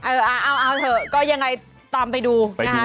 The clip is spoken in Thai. เอาเอาเถอะก็ยังไงตามไปดูนะคะ